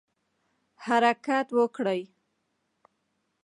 حرکت وکړئ